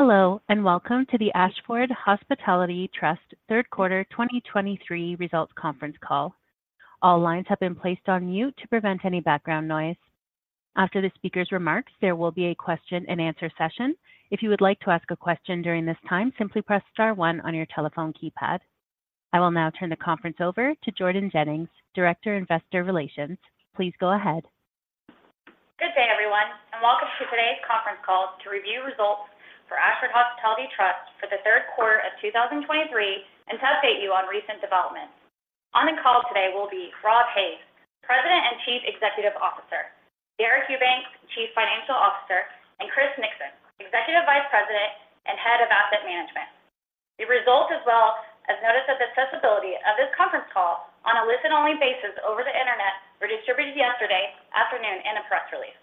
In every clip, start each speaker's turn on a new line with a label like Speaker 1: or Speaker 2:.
Speaker 1: Hello, and welcome to the Ashford Hospitality Trust third quarter 2023 results conference call. All lines have been placed on mute to prevent any background noise. After the speaker's remarks, there will be a question and answer session. If you would like to ask a question during this time, simply press star one on your telephone keypad. I will now turn the conference over to Jordan Jennings, Director, Investor Relations. Please go ahead.
Speaker 2: Good day, everyone, and welcome to today's conference call to review results for Ashford Hospitality Trust for the third quarter of 2023, and to update you on recent developments. On the call today will be Rob Hays, President and Chief Executive Officer, Deric Eubanks, Chief Financial Officer, and Chris Nixon, Executive Vice President and Head of Asset Management. The results, as well as notice of accessibility of this conference call on a listen-only basis over the Internet, were distributed yesterday afternoon in a press release.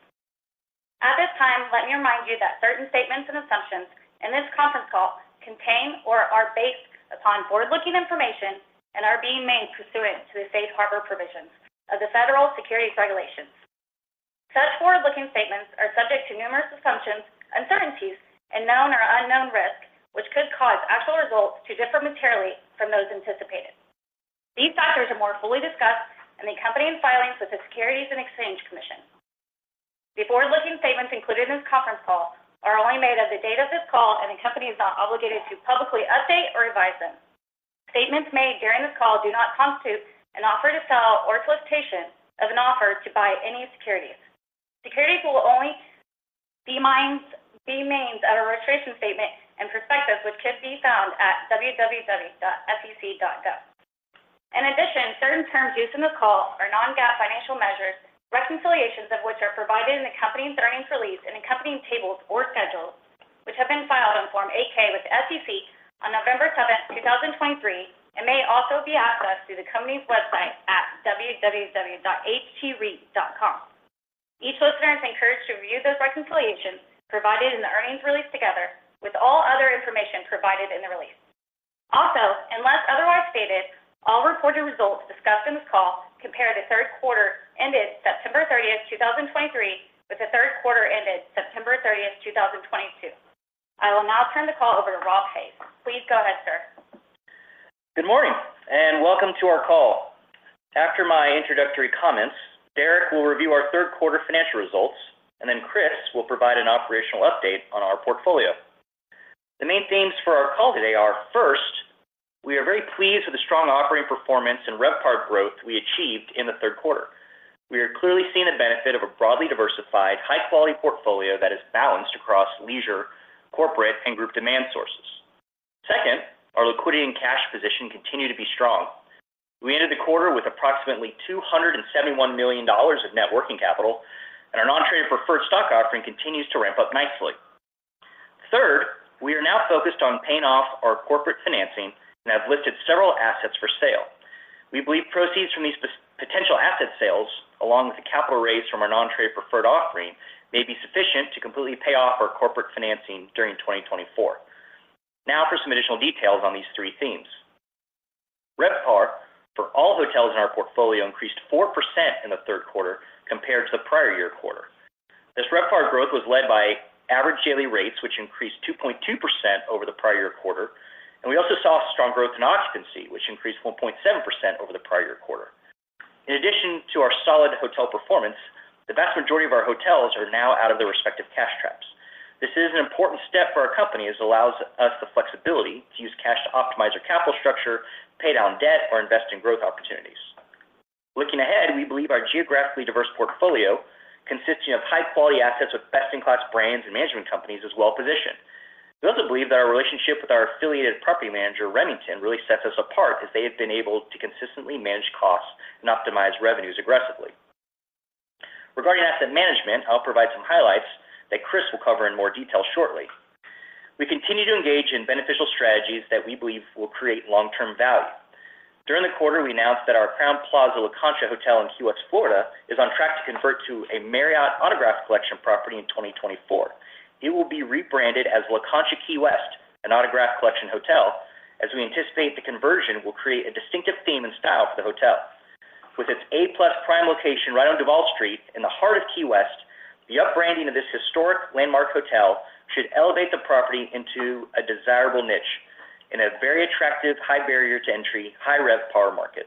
Speaker 2: At this time, let me remind you that certain statements and assumptions in this conference call contain or are based upon forward-looking information and are being made pursuant to the safe harbor provisions of the Federal Securities Regulations. Such forward-looking statements are subject to numerous assumptions, uncertainties, and known or unknown risks, which could cause actual results to differ materially from those anticipated. These factors are more fully discussed in the accompanying filings with the Securities and Exchange Commission. The forward-looking statements included in this conference call are only made as of the date of this call, and the company is not obligated to publicly update or revise them. Statements made during this call do not constitute an offer to sell or solicitation of an offer to buy any securities. Securities will only be made at a registration statement and prospectus, which can be found at www.sec.gov. In addition, certain terms used in the call are non-GAAP financial measures, reconciliations of which are provided in the accompanying earnings release and accompanying tables or schedules, which have been filed on Form 8-K with the SEC on November 7, 2023, and may also be accessed through the company's website at www.ahtreit.com. Each listener is encouraged to review those reconciliations provided in the earnings release, together with all other information provided in the release. Also, unless otherwise stated, all reported results discussed in this call compare the third quarter ended September 30, 2023, with the third quarter ended September 30, 2022. I will now turn the call over to Rob Hays. Please go ahead, sir.
Speaker 3: Good morning, and welcome to our call. After my introductory comments, Deric will review our third quarter financial results, and then Chris will provide an operational update on our portfolio. The main themes for our call today are, first, we are very pleased with the strong operating performance and RevPAR growth we achieved in the third quarter. We are clearly seeing the benefit of a broadly diversified, high-quality portfolio that is balanced across leisure, corporate, and group demand sources. Second, our liquidity and cash position continue to be strong. We ended the quarter with approximately $271 million of net working capital, and our non-traded preferred stock offering continues to ramp up nicely. Third, we are now focused on paying off our corporate financing and have listed several assets for sale. We believe proceeds from these potential asset sales, along with the capital raise from our non-traded preferred offering, may be sufficient to completely pay off our corporate financing during 2024. Now for some additional details on these three themes. RevPAR for all hotels in our portfolio increased 4% in the third quarter compared to the prior year quarter. This RevPAR growth was led by average daily rates, which increased 2.2% over the prior year quarter, and we also saw strong growth in occupancy, which increased 1.7% over the prior year quarter. In addition to our solid hotel performance, the vast majority of our hotels are now out of their respective cash traps. This is an important step for our company, as it allows us the flexibility to use cash to optimize our capital structure, pay down debt or invest in growth opportunities. Looking ahead, we believe our geographically diverse portfolio, consisting of high-quality assets with best-in-class brands and management companies, is well-positioned. We also believe that our relationship with our affiliated property manager, Remington, really sets us apart, as they have been able to consistently manage costs and optimize revenues aggressively. Regarding asset management, I'll provide some highlights that Chris will cover in more detail shortly. We continue to engage in beneficial strategies that we believe will create long-term value. During the quarter, we announced that our Crowne Plaza La Concha Hotel in Key West, Florida, is on track to convert to a Marriott Autograph Collection property in 2024. It will be rebranded as La Concha Key West, an Autograph Collection hotel, as we anticipate the conversion will create a distinctive theme and style for the hotel. With its A-plus prime location right on Duval Street in the heart of Key West, the upbranding of this historic landmark hotel should elevate the property into a desirable niche in a very attractive, high barrier to entry, high RevPAR market.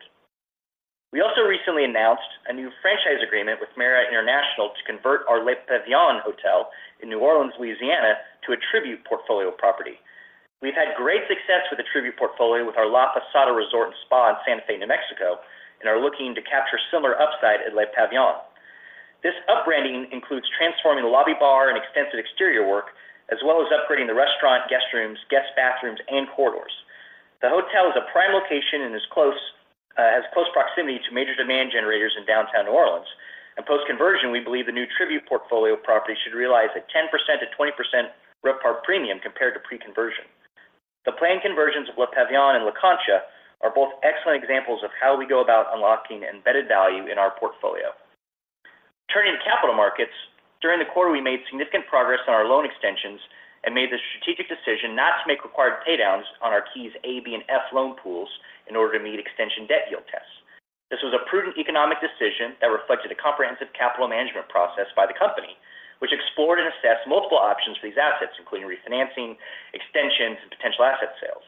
Speaker 3: We also recently announced a new franchise agreement with Marriott International to convert our Le Pavillon Hotel in New Orleans, Louisiana, to a Tribute Portfolio property. We've had great success with the Tribute Portfolio with our La Posada Resort and Spa in Santa Fe, New Mexico, and are looking to capture similar upside at Le Pavillon. This upbranding includes transforming the lobby bar and extensive exterior work, as well as upgrading the restaurant, guest rooms, guest bathrooms, and corridors. The hotel is a prime location and is close, has close proximity to major demand generators in downtown New Orleans, and post-conversion, we believe the new Tribute Portfolio property should realize a 10%-20% RevPAR premium compared to pre-conversion. The planned conversions of Le Pavillon and La Concha are both excellent examples of how we go about unlocking embedded value in our portfolio. Turning to capital markets, during the quarter, we made significant progress on our loan extensions and made the strategic decision not to make required paydowns on our Keys A, B, and F loan pools in order to meet extension debt yield tests. A prudent economic decision that reflected a comprehensive capital management process by the company, which explored and assessed multiple options for these assets, including refinancing, extensions, and potential asset sales.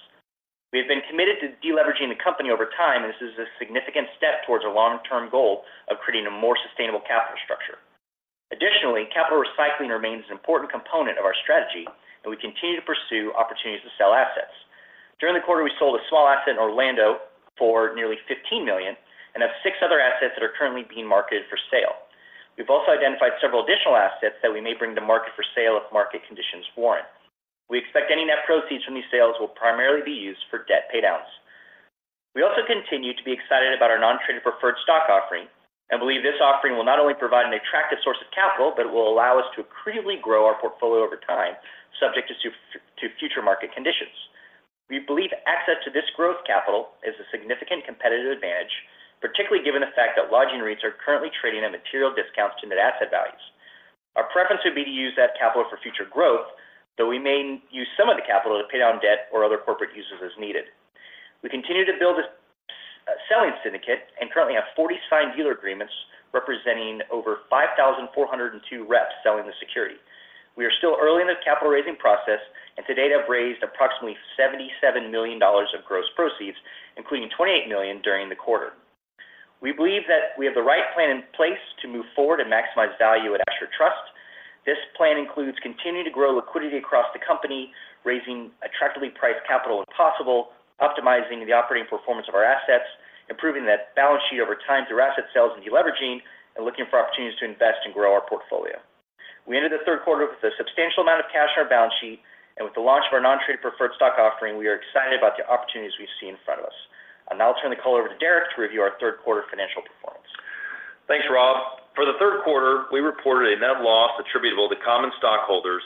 Speaker 3: We have been committed to deleveraging the company over time, and this is a significant step towards our long-term goal of creating a more sustainable capital structure. Additionally, capital recycling remains an important component of our strategy, and we continue to pursue opportunities to sell assets. During the quarter, we sold a small asset in Orlando for nearly $15 million and have six other assets that are currently being marketed for sale. We've also identified several additional assets that we may bring to market for sale if market conditions warrant. We expect any net proceeds from these sales will primarily be used for debt paydowns. We also continue to be excited about our non-traded preferred stock offering and believe this offering will not only provide an attractive source of capital, but it will allow us to accretively grow our portfolio over time, subject to to future market conditions. We believe access to this growth capital is a significant competitive advantage, particularly given the fact that lodging rates are currently trading at material discounts to net asset values. Our preference would be to use that capital for future growth, though we may use some of the capital to pay down debt or other corporate uses as needed. We continue to build a selling syndicate and currently have 40 signed dealer agreements representing over 5,402 reps selling the security. We are still early in the capital-raising process and to date have raised approximately $77 million of gross proceeds, including $28 million during the quarter. We believe that we have the right plan in place to move forward and maximize value at Ashford Trust. This plan includes continuing to grow liquidity across the company, raising attractively priced capital when possible, optimizing the operating performance of our assets, improving that balance sheet over time through asset sales and deleveraging, and looking for opportunities to invest and grow our portfolio. We ended the third quarter with a substantial amount of cash on our balance sheet, and with the launch of our non-traded preferred stock offering, we are excited about the opportunities we see in front of us. I'll now turn the call over to Deric to review our third quarter financial performance.
Speaker 4: Thanks, Rob. For the third quarter, we reported a net loss attributable to common stockholders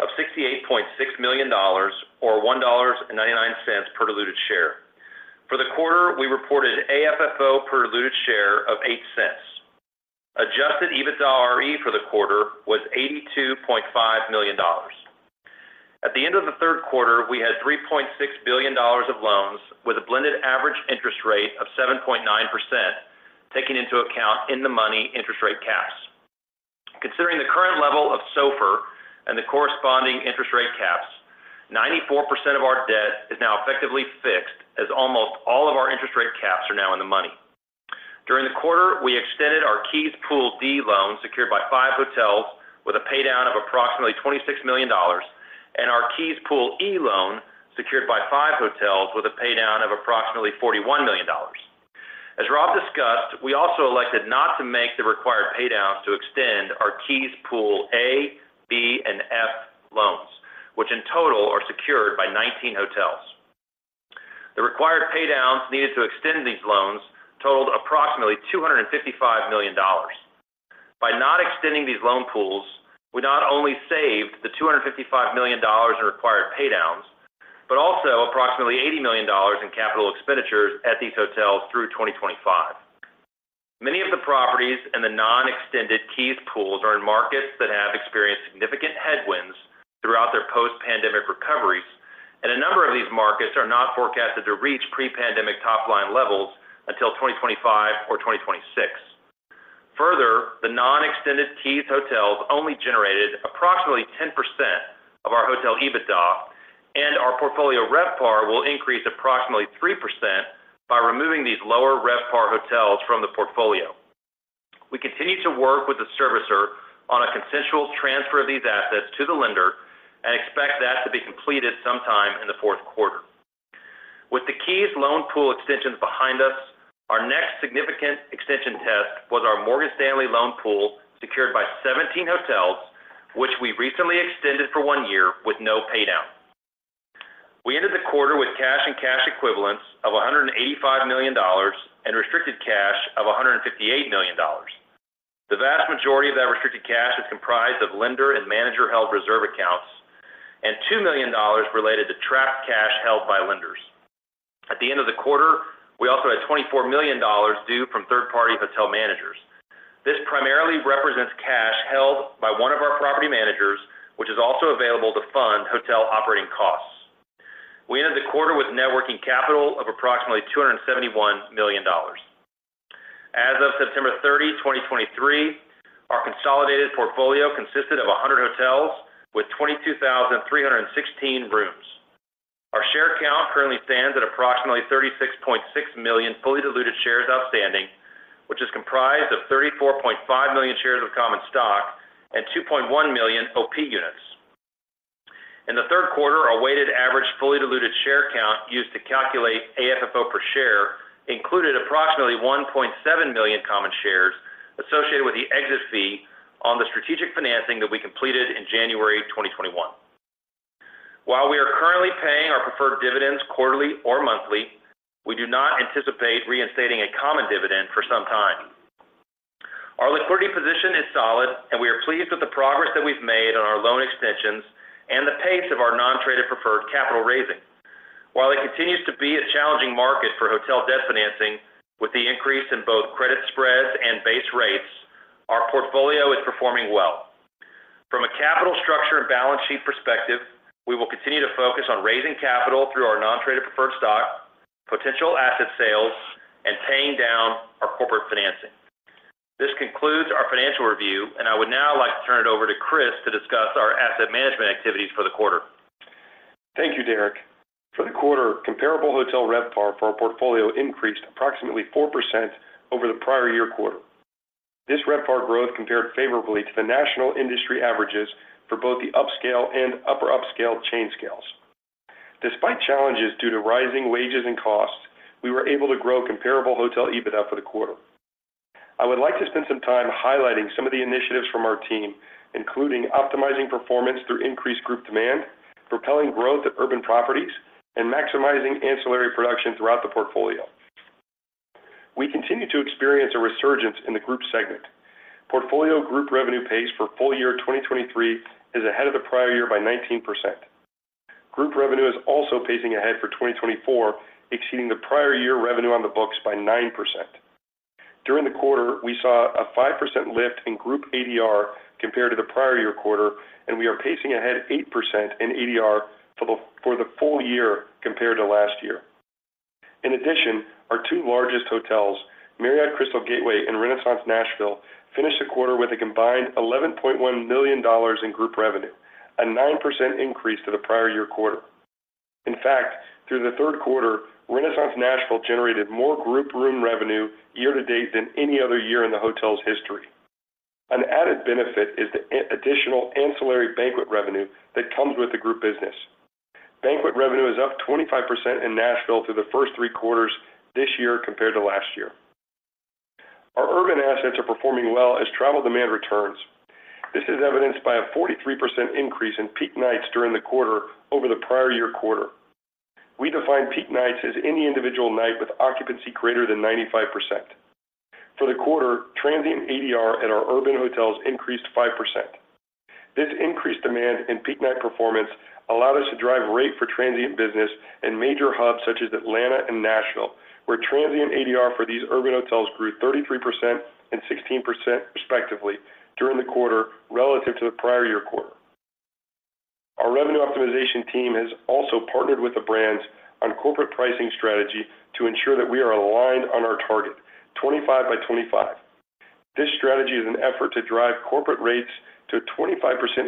Speaker 4: of $68.6 million, or $1.99 per diluted share. For the quarter, we reported AFFO per diluted share of $0.08. Adjusted EBITDare for the quarter was $82.5 million. At the end of the third quarter, we had $3.6 billion of loans with a blended average interest rate of 7.9%, taking into account in-the-money interest rate caps. Considering the current level of SOFR and the corresponding interest rate caps, 94% of our debt is now effectively fixed, as almost all of our interest rate caps are now in the money. During the quarter, we extended our Keys Pool D loan, secured by five hotels, with a paydown of approximately $26 million, and our Keys Pool E loan, secured by five hotels, with a paydown of approximately $41 million. As Rob discussed, we also elected not to make the required paydowns to extend our Keys Pool A, B, and F loans, which in total are secured by 19 hotels. The required paydowns needed to extend these loans totaled approximately $255 million. By not extending these loan pools, we not only saved the $255 million in required paydowns, but also approximately $80 million in capital expenditures at these hotels through 2025. Many of the properties in the non-extended Keys pools are in markets that have experienced significant headwinds throughout their post-pandemic recoveries, and a number of these markets are not forecasted to reach pre-pandemic top-line levels until 2025 or 2026. Further, the non-extended Keys hotels only generated approximately 10% of our hotel EBITDA, and our portfolio RevPAR will increase approximately 3% by removing these lower RevPAR hotels from the portfolio. We continue to work with the servicer on a consensual transfer of these assets to the lender and expect that to be completed sometime in the fourth quarter. With the Keys loan pool extensions behind us, our next significant extension test was our Morgan Stanley loan pool, secured by 17 hotels, which we recently extended for one year with no paydown. We ended the quarter with cash and cash equivalents of $185 million and restricted cash of $158 million. The vast majority of that restricted cash is comprised of lender and manager-held reserve accounts and $2 million related to trapped cash held by lenders. At the end of the quarter, we also had $24 million due from third-party hotel managers. This primarily represents cash held by one of our property managers, which is also available to fund hotel operating costs. We ended the quarter with net working capital of approximately $271 million. As of September 30, 2023, our consolidated portfolio consisted of 100 hotels with 22,316 rooms. Our share count currently stands at approximately 36.6 million fully diluted shares outstanding, which is comprised of 34.5 million shares of common stock and 2.1 million OP Units. In the third quarter, our weighted average, fully diluted share count used to calculate AFFO per share included approximately 1.7 million common shares associated with the exit fee on the strategic financing that we completed in January 2021. While we are currently paying our preferred dividends quarterly or monthly, we do not anticipate reinstating a common dividend for some time. Our liquidity position is solid, and we are pleased with the progress that we've made on our loan extensions and the pace of our non-traded preferred capital raising. While it continues to be a challenging market for hotel debt financing, with the increase in both credit spreads and base rates, our portfolio is performing well. Balance sheet perspective, we will continue to focus on raising capital through our non-traded preferred stock, potential asset sales, and paying down our corporate financing. This concludes our financial review, and I would now like to turn it over to Chris to discuss our asset management activities for the quarter.
Speaker 5: Thank you, Deric. For the quarter, comparable hotel RevPAR for our portfolio increased approximately 4% over the prior year quarter. This RevPAR growth compared favorably to the national industry averages for both the upscale and upper upscale chain scales. Despite challenges due to rising wages and costs, we were able to grow comparable hotel EBITDA for the quarter. I would like to spend some time highlighting some of the initiatives from our team, including optimizing performance through increased group demand, propelling growth at urban properties, and maximizing ancillary production throughout the portfolio. We continue to experience a resurgence in the group segment. Portfolio group revenue pace for full year 2023 is ahead of the prior year by 19%. Group revenue is also pacing ahead for 2024, exceeding the prior year revenue on the books by 9%. During the quarter, we saw a 5% lift in group ADR compared to the prior year quarter, and we are pacing ahead 8% in ADR for the full year compared to last year. In addition, our two largest hotels, Marriott Crystal Gateway and Renaissance Nashville, finished the quarter with a combined $11.1 million in group revenue, a 9% increase to the prior year quarter. In fact, through the third quarter, Renaissance Nashville generated more group room revenue year to date than any other year in the hotel's history. An added benefit is the additional ancillary banquet revenue that comes with the group business. Banquet revenue is up 25% in Nashville through the first three quarters this year compared to last year. Our urban assets are performing well as travel demand returns. This is evidenced by a 43% increase in peak nights during the quarter over the prior year quarter. We define peak nights as any individual night with occupancy greater than 95%. For the quarter, transient ADR at our urban hotels increased 5%. This increased demand in peak night performance allowed us to drive rate for transient business in major hubs such as Atlanta and Nashville, where transient ADR for these urban hotels grew 33% and 16% respectively during the quarter relative to the prior year quarter. Our revenue optimization team has also partnered with the brands on corporate pricing strategy to ensure that we are aligned on our target, 25 by 25. This strategy is an effort to drive corporate rates to a 25%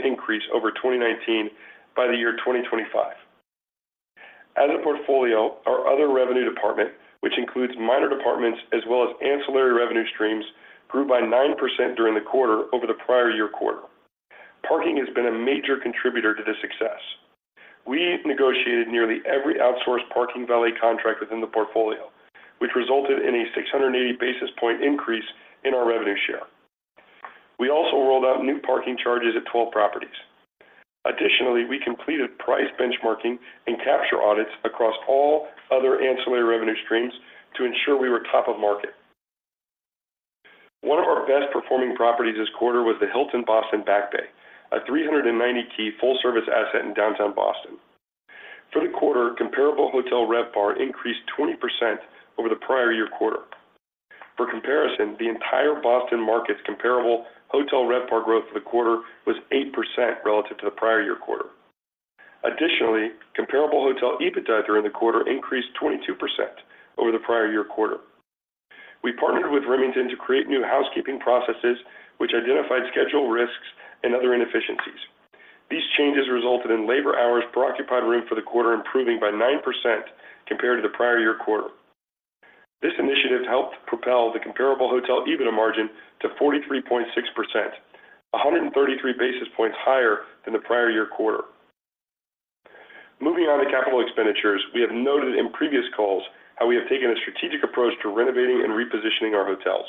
Speaker 5: increase over 2019 by the year 2025. As a portfolio, our other revenue department, which includes minor departments as well as ancillary revenue streams, grew by 9% during the quarter over the prior year quarter. Parking has been a major contributor to this success. We negotiated nearly every outsourced parking valet contract within the portfolio, which resulted in a 680 basis point increase in our revenue share. We also rolled out new parking charges at 12 properties. Additionally, we completed price benchmarking and capture audits across all other ancillary revenue streams to ensure we were top of market. One of our best-performing properties this quarter was the Hilton Boston Back Bay, a 390-key full-service asset in downtown Boston. For the quarter, comparable hotel RevPAR increased 20% over the prior year quarter. For comparison, the entire Boston market's comparable hotel RevPAR growth for the quarter was 8% relative to the prior year quarter. Additionally, comparable hotel EBITDA during the quarter increased 22% over the prior year quarter. We partnered with Remington to create new housekeeping processes, which identified schedule risks and other inefficiencies. These changes resulted in labor hours per occupied room for the quarter, improving by 9% compared to the prior year quarter. This initiative helped propel the comparable hotel EBITDA margin to 43.6%, 133 basis points higher than the prior year quarter. Moving on to capital expenditures, we have noted in previous calls how we have taken a strategic approach to renovating and repositioning our hotels.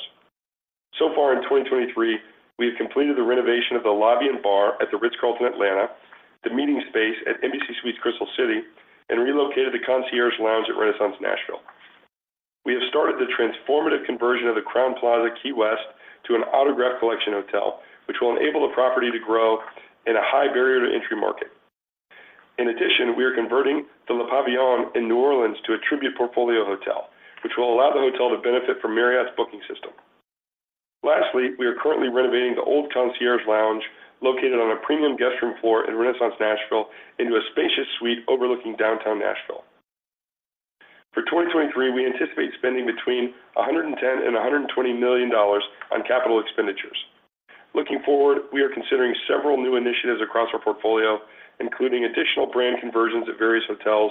Speaker 5: So far in 2023, we have completed the renovation of the lobby and bar at the Ritz-Carlton Atlanta, the meeting space at Embassy Suites Crystal City, and relocated the concierge lounge at Renaissance Nashville. We have started the transformative conversion of the Crowne Plaza Key West, to an Autograph Collection hotel, which will enable the property to grow in a high barrier to entry market. In addition, we are converting the Le Pavillon in New Orleans to a Tribute Portfolio hotel, which will allow the hotel to benefit from Marriott's booking system. Lastly, we are currently renovating the old concierge lounge, located on a premium guest room floor in Renaissance Nashville, into a spacious suite overlooking downtown Nashville. For 2023, we anticipate spending between $110 million and $120 million on capital expenditures. Looking forward, we are considering several new initiatives across our portfolio, including additional brand conversions at various hotels,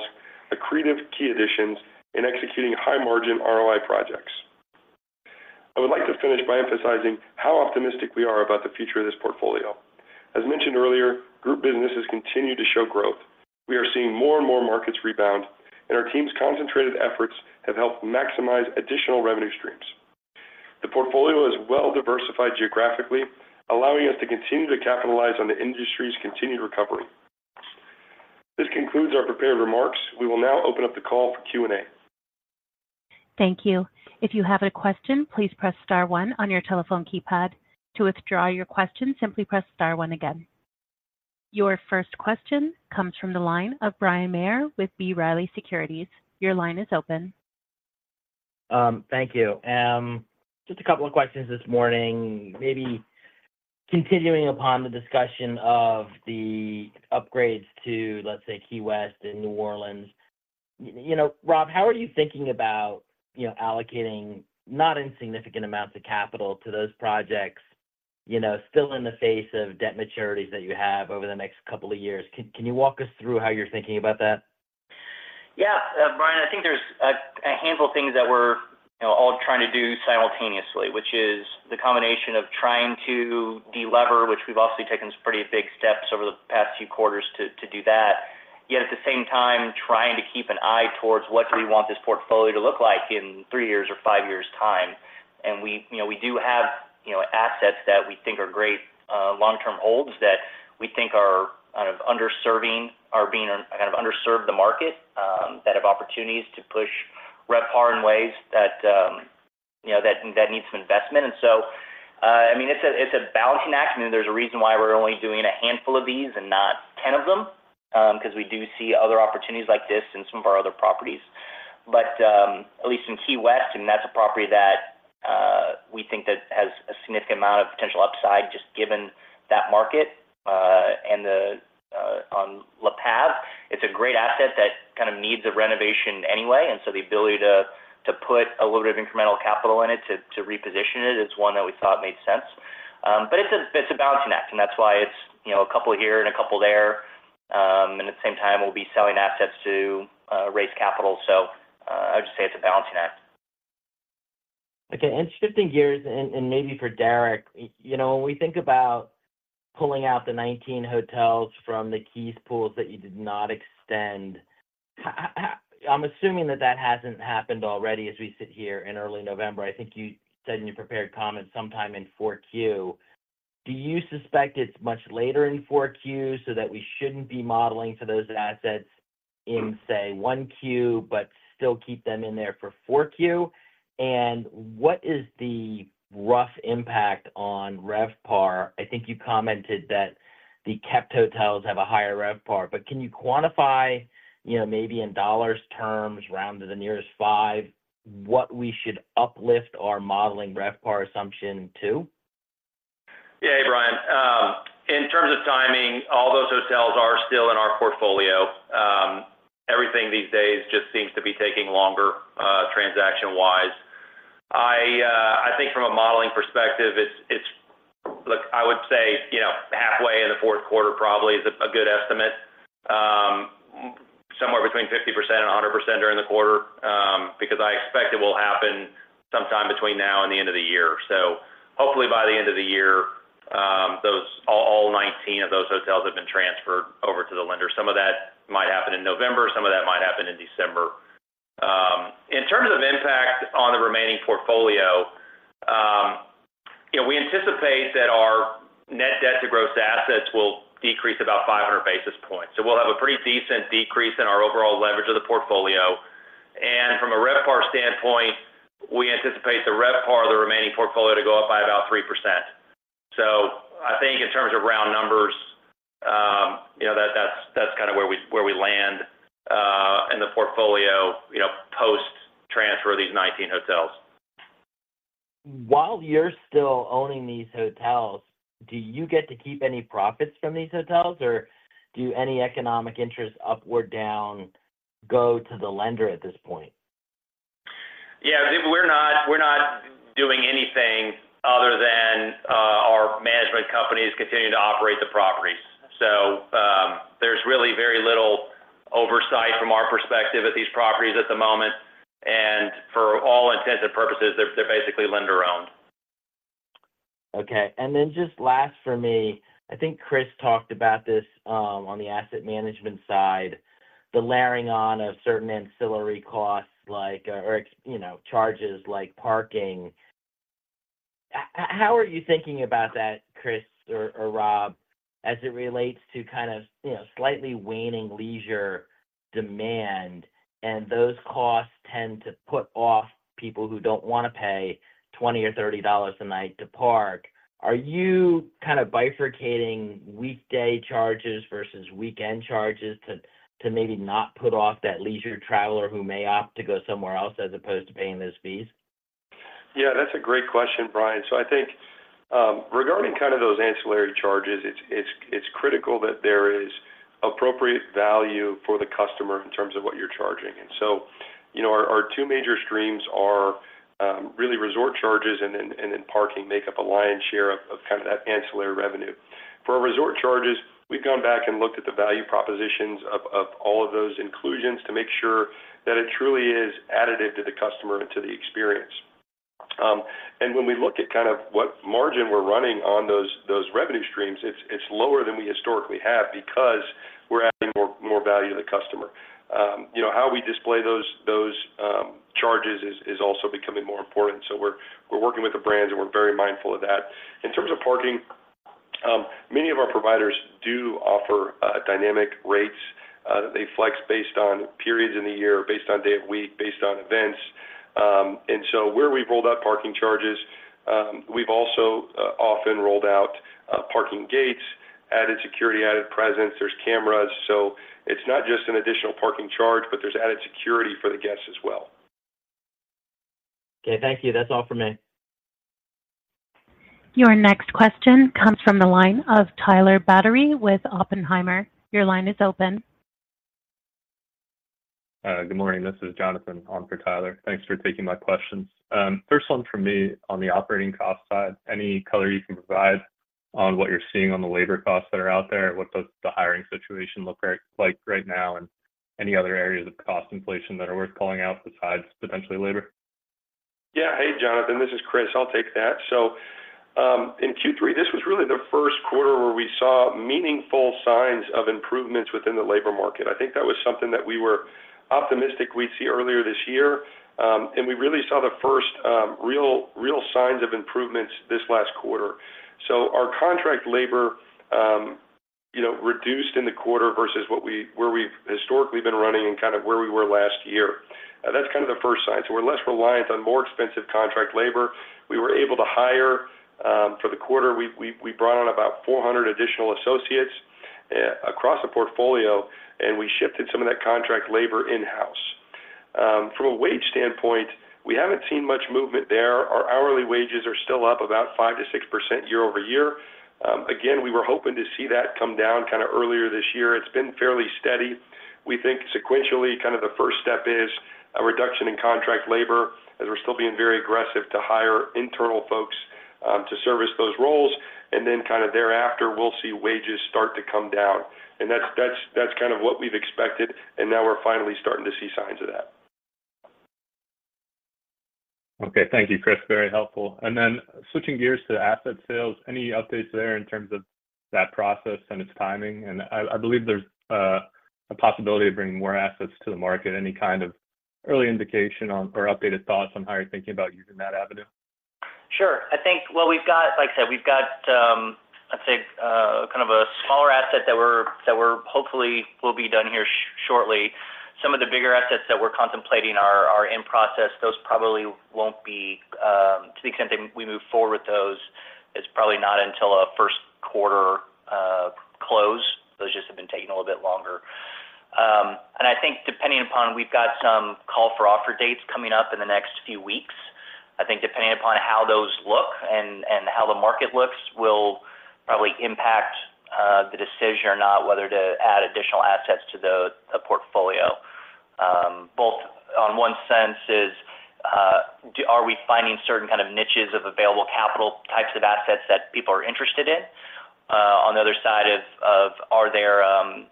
Speaker 5: accretive key additions, and executing high-margin ROI projects. I would like to finish by emphasizing how optimistic we are about the future of this portfolio. As mentioned earlier, group businesses continue to show growth. We are seeing more and more markets rebound, and our team's concentrated efforts have helped maximize additional revenue streams. The portfolio is well-diversified geographically, allowing us to continue to capitalize on the industry's continued recovery. This concludes our prepared remarks. We will now open up the call for Q&A.
Speaker 1: Thank you. If you have a question, please press star one on your telephone keypad. To withdraw your question, simply press star one again. Your first question comes from the line of Bryan Maher with B. Riley Securities. Your line is open.
Speaker 6: ...Thank you. Just a couple of questions this morning, maybe continuing upon the discussion of the upgrades to, let's say, Key West and New Orleans. You know, Rob, how are you thinking about, you know, allocating not insignificant amounts of capital to those projects, you know, still in the face of debt maturities that you have over the next couple of years? Can, can you walk us through how you're thinking about that?
Speaker 3: Yeah, Bryan, I think there's a handful of things that we're, you know, all trying to do simultaneously, which is the combination of trying to delever, which we've obviously taken some pretty big steps over the past few quarters to do that. Yet at the same time, trying to keep an eye towards what do we want this portfolio to look like in three years or five years' time. And we, you know, we do have, you know, assets that we think are great long-term holds, that we think are kind of underserving- are being kind of underserved the market, that have opportunities to push RevPAR in ways that, you know, that needs some investment. I mean, it's a balancing act, and there's a reason why we're only doing a handful of these and not 10 of them, 'cause we do see other opportunities like this in some of our other properties. But at least in Key West, and that's a property that we think that has a significant amount of potential upside, just given that market. And on La Posada, it's a great asset that kind of needs a renovation anyway, and so the ability to put a little bit of incremental capital in it, to reposition it, is one that we thought made sense. But it's a balancing act, and that's why it's, you know, a couple here and a couple there. And at the same time, we'll be selling assets to raise capital. I would just say it's a balancing act.
Speaker 6: Okay, and shifting gears, and maybe for Deric, you know, when we think about pulling out the 19 hotels from the key pools that you did not extend, I'm assuming that that hasn't happened already as we sit here in early November. I think you said in your prepared comments, sometime in 4Q. Do you suspect it's much later in 4Q, so that we shouldn't be modeling for those assets in, say, 1Q, but still keep them in there for 4Q? And what is the rough impact on RevPAR? I think you commented that the kept hotels have a higher RevPAR, but can you quantify, you know, maybe in dollars terms, round to the nearest five, what we should uplift our modeling RevPAR assumption to?
Speaker 4: Yeah, Bryan, in terms of timing, all those hotels are still in our portfolio. Everything these days just seems to be taking longer, transaction-wise. I think from a modeling perspective, it's. Look, I would say, you know, halfway in the fourth quarter probably is a good estimate. Somewhere between 50% and 100% during the quarter, because I expect it will happen sometime between now and the end of the year. So hopefully, by the end of the year, those all 19 of those hotels have been transferred over to the lender. Some of that might happen in November, some of that might happen in December. In terms of impact on the remaining portfolio, you know, we anticipate that our net debt to gross assets will decrease about 500 basis points. So we'll have a pretty decent decrease in our overall leverage of the portfolio, and from a RevPAR standpoint, we anticipate the RevPAR of the remaining portfolio to go up by about 3%. So I think in terms of round numbers, you know, that's kind of where we land in the portfolio, you know, post-transfer of these 19 hotels.
Speaker 6: While you're still owning these hotels, do you get to keep any profits from these hotels, or do any economic interests up or down go to the lender at this point?
Speaker 4: Yeah, we're not, we're not doing anything other than, our management companies continuing to operate the properties. So, there's really very little oversight from our perspective at these properties at the moment, and for all intents and purposes, they're, they're basically lender-owned.
Speaker 6: Okay. Then just last for me, I think Chris talked about this, on the asset management side, the layering on of certain ancillary costs like, or, you know, charges like parking. How are you thinking about that, Chris or, or Rob, as it relates to kind of, you know, slightly waning leisure demand, and those costs tend to put off people who don't want to pay $20 or $30 a night to park? Are you kind of bifurcating weekday charges versus weekend charges to, to maybe not put off that leisure traveler who may opt to go somewhere else as opposed to paying those fees?
Speaker 5: Yeah, that's a great question, Bryan. So I think, regarding kind of those ancillary charges, it's, it's, it's critical that there is appropriate value for the customer in terms of what you're charging. And so, you know, our, our two major streams are really resort charges and then, and then parking make up a lion's share of, of kind of that ancillary revenue. For our resort charges, we've gone back and looked at the value propositions of, of all of those inclusions to make sure that it truly is additive to the customer and to the experience. And when we look at kind of what margin we're running on those, those revenue streams, it's, it's lower than we historically have because we're adding more, more value to the customer. You know, how we display those, those charges is also becoming more important. So we're working with the brands, and we're very mindful of that. In terms of parking, many of our providers do offer dynamic rates that they flex based on periods in the year, based on day of week, based on events. And so where we've rolled out parking charges, we've also often rolled out parking gates, added security, added presence, there's cameras. So it's not just an additional parking charge, but there's added security for the guests as well.
Speaker 3: Okay, thank you. That's all for me.
Speaker 1: Your next question comes from the line of Tyler Batory with Oppenheimer. Your line is open.
Speaker 7: Good morning, this is Jonathan on for Tyler. Thanks for taking my questions. First one from me on the operating cost side, any color you can provide on what you're seeing on the labor costs that are out there? What does the hiring situation look like, like right now, and any other areas of cost inflation that are worth calling out besides potentially labor?
Speaker 5: Yeah. Hey, Jonathan, this is Chris. I'll take that. So, in Q3, this was really the first quarter where we saw meaningful signs of improvements within the labor market. I think that was something that we were optimistic we'd see earlier this year. And we really saw the first, real, real signs of improvements this last quarter. So our contract labor, you know, reduced in the quarter versus where we've historically been running and kind of where we were last year. That's kind of the first sign. So we're less reliant on more expensive contract labor. We were able to hire, for the quarter, we brought on about 400 additional associates, across the portfolio, and we shifted some of that contract labor in-house. From a wage standpoint, we haven't seen much movement there. Our hourly wages are still up about 5%-6% year-over-year. Again, we were hoping to see that come down kinda earlier this year. It's been fairly steady. We think sequentially, kind of the first step is a reduction in contract labor, as we're still being very aggressive to hire internal folks, to service those roles. And then kinda thereafter, we'll see wages start to come down. And that's, that's, that's kind of what we've expected, and now we're finally starting to see signs of that.
Speaker 8: Okay. Thank you, Chris. Very helpful. And then switching gears to asset sales, any updates there in terms of that process and its timing? And I believe there's a possibility to bring more assets to the market. Any kind of early indication on or updated thoughts on how you're thinking about using that avenue?
Speaker 3: Sure. I think. Well, we've got—like I said, we've got, let's say, kind of a smaller asset that we're hopefully will be done here shortly. Some of the bigger assets that we're contemplating are in process. Those probably won't be, to the extent that we move forward with those, it's probably not until a first quarter close. Those just have been taking a little bit longer. And I think depending upon, we've got some call for offer dates coming up in the next few weeks. I think depending upon how those look and how the market looks, will probably impact the decision or not, whether to add additional assets to the portfolio. Both on one sense is, are we finding certain kind of niches of available capital types of assets that people are interested in? On the other side of, of are there,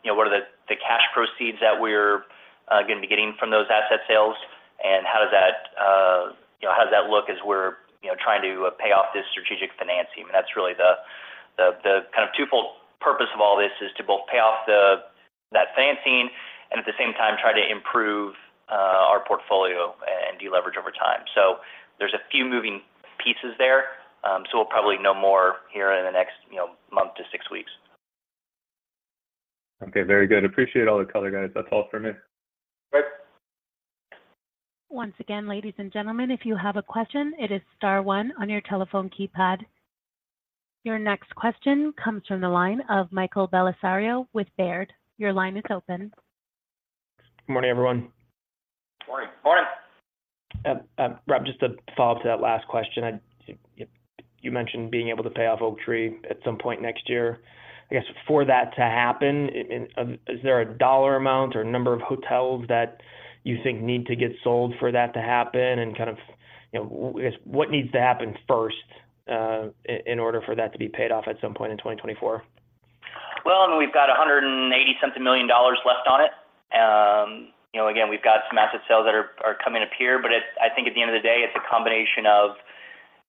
Speaker 3: you know, what are the, the cash proceeds that we're, gonna be getting from those asset sales, and how does that, you know, how does that look as we're, you know, trying to pay off this strategic financing? That's really the, the, the kind of twofold purpose of all this, is to both pay off the, that financing and at the same time, try to improve, our portfolio and deleverage over time. So there's a few moving pieces there, so we'll probably know more here in the next, you know, month to six weeks.
Speaker 8: Okay. Very good. Appreciate all the color, guys. That's all for me.
Speaker 5: Thanks.
Speaker 1: Once again, ladies and gentlemen, if you have a question, it is star one on your telephone keypad. Your next question comes from the line of Michael Bellisario with Baird. Your line is open.
Speaker 9: Good morning, everyone.
Speaker 5: Morning.
Speaker 3: Morning.
Speaker 9: Rob, just to follow up to that last question. You mentioned being able to pay off Oaktree at some point next year. I guess for that to happen, is there a dollar amount or number of hotels that you think need to get sold for that to happen? And kind of, you know, I guess, what needs to happen first, in order for that to be paid off at some point in 2024?
Speaker 3: Well, I mean, we've got $180-something million left on it. You know, again, we've got some asset sales that are coming up here, but it—I think at the end of the day, it's a combination of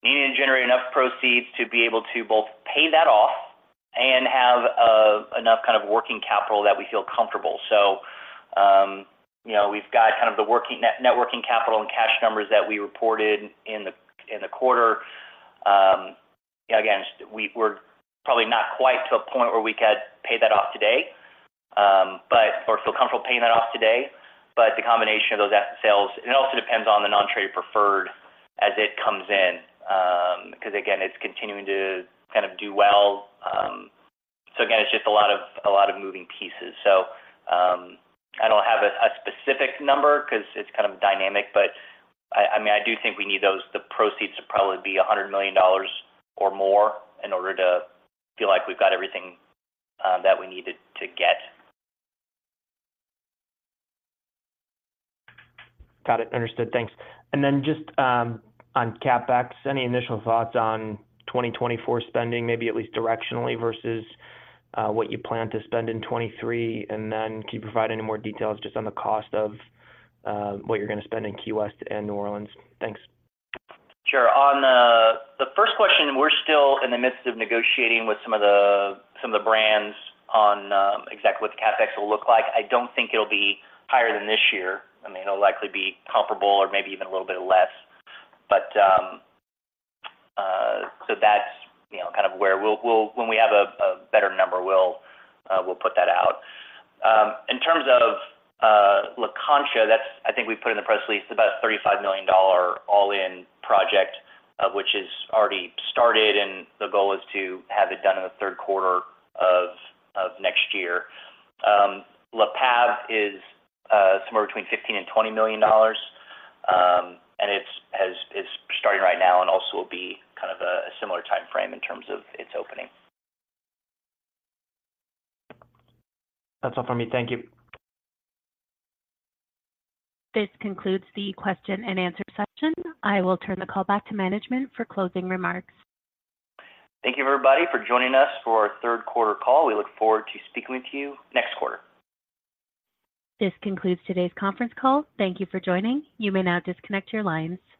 Speaker 3: needing to generate enough proceeds to be able to both pay that off and have enough kind of working capital that we feel comfortable. So, you know, we've got kind of the net working capital and cash numbers that we reported in the quarter. Again, we're probably not quite to a point where we could pay that off today, but or feel comfortable paying that off today. But the combination of those asset sales, it also depends on the non-traded preferred as it comes in, because again, it's continuing to kind of do well. So again, it's just a lot of, a lot of moving pieces. So, I don't have a specific number 'cause it's kind of dynamic, but I mean, I do think we need those, the proceeds to probably be $100 million or more in order to feel like we've got everything, that we needed to get.
Speaker 9: Got it. Understood. Thanks. And then just on CapEx, any initial thoughts on 2024 spending, maybe at least directionally, versus what you plan to spend in 2023? And then can you provide any more details just on the cost of what you're gonna spend in Key West and New Orleans? Thanks.
Speaker 3: Sure. On the first question, we're still in the midst of negotiating with some of the brands on exactly what the CapEx will look like. I don't think it'll be higher than this year. I mean, it'll likely be comparable or maybe even a little bit less. But so that's, you know, kind of where we'll-- When we have a better number, we'll put that out. In terms of La Concha, that's, I think we put in the press release, it's about $35 million all-in project, which has already started, and the goal is to have it done in the third quarter of next year. Le Pavillon is somewhere between $15 million and $20 million, and it's starting right now and also will be kind of a similar timeframe in terms of its opening.
Speaker 9: That's all for me. Thank you.
Speaker 1: This concludes the question and answer session. I will turn the call back to management for closing remarks.
Speaker 3: Thank you, everybody, for joining us for our third quarter call. We look forward to speaking with you next quarter.
Speaker 1: This concludes today's conference call. Thank you for joining. You may now disconnect your lines.